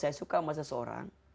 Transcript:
saya suka sama seseorang